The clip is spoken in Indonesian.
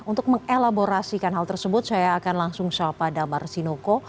untuk mengelaborasikan hal tersebut saya akan langsung soal pada damar sinuko